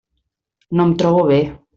No em trobo bé.